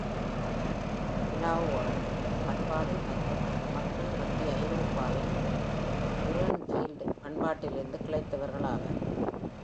Villanovan பண்பாடு மற்றும் அந்த மக்கள், மத்திய ஐரோப்பாவின் Urnfield பண்பாட்டிலிருந்து கிளைத்தவர்களாவர்.